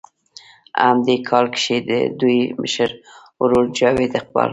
هم دې کال کښې د دوي مشر ورور جاويد اقبال